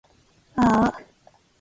あーあ